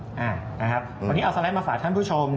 วันนี้เอาสไลด์มาฝากท่านผู้ชม